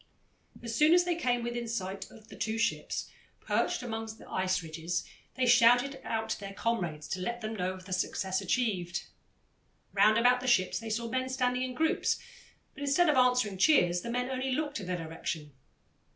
As soon as they came within sight of the two ships, perched up among the ice ridges, they shouted out to their comrades to let them know of the success achieved. Round about the ships they saw men standing in groups, but instead of answering cheers, the men only looked in their direction.